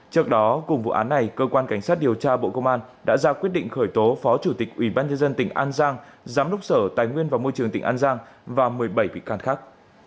trước đó cùng vụ án này cơ quan cảnh sát điều tra bộ công an đã ra quyết định khởi tố phó chủ tịch ubnd tỉnh an giang giám đốc sở tài nguyên và môi trường tỉnh an giang và một mươi bảy vị cát khác